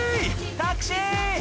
タクシー！